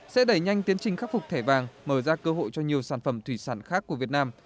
sẽ đẩy nhanh tiến trình khắc phục thẻ vàng mở ra cơ hội cho nhiều sản phẩm thủy sản khác của việt nam